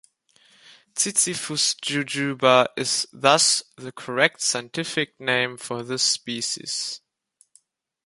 "Ziziphus jujuba" is thus the correct scientific name for this species.